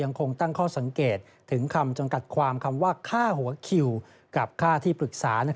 คงตั้งข้อสังเกตถึงคำจำกัดความคำว่าค่าหัวคิวกับค่าที่ปรึกษา